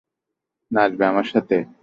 নাচবে আমার সাথে?